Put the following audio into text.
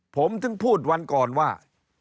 ผมถึงพูดวันก่อนว่า